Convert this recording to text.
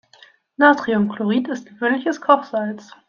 Natriumchlorid ist gewöhnliches Kochsalz.